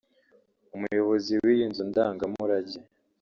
umuyobozi w’iyi nzu ndangamurage